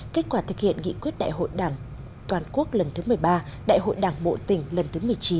kết quả thực hiện nghị quyết đại hội đảng toàn quốc lần thứ một mươi ba đại hội đảng bộ tỉnh lần thứ một mươi chín